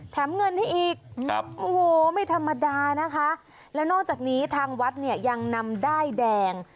เงินให้อีกโอ้โหไม่ธรรมดานะคะแล้วนอกจากนี้ทางวัดเนี่ยยังนำด้ายแดง